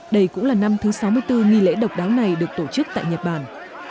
đây cũng là năm thứ sáu mươi bốn nghi lễ độc đáo này được tổ chức tại nhật bản